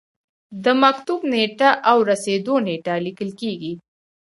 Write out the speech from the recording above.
د مکتوب نیټه او رسیدو نیټه لیکل کیږي.